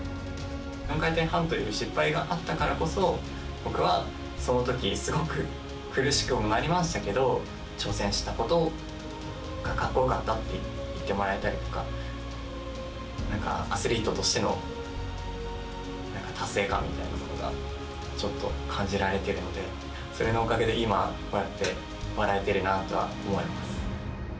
４回転半という失敗があったからこそ、僕はそのとき、すごく苦しくもなりましたけど、挑戦したことがかっこよかったって言ってもらえたりとか、なんか、アスリートとしての、なんか達成感みたいなものをちょっと感じられてるので、それのおかげで今、こうやって笑えているなとは思います。